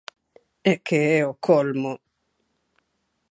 É que é o colmo.